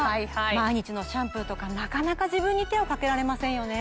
毎日のシャンプーとかなかなか自分に手をかけられませんよね。